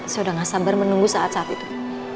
saudara gak sabar menunggu saat saat itu